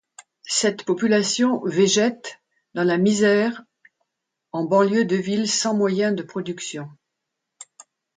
Cette population végète dans la misère en banlieue de villes sans moyens de production.